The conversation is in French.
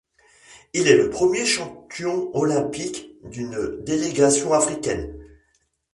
Il est le premier champion olympique d’une délégation africaine.